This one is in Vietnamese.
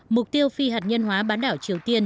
mục tiêu phi hạt nhân hóa bán đảo triều tiên